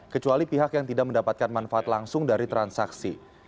kecuali pihak yang tidak mendapatkan manfaat langsung dari transaksi